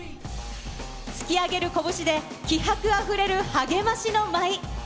突き上げる拳で、気迫あふれる励ましの舞。